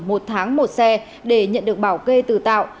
một tháng một xe để nhận được bảo kê từ tạo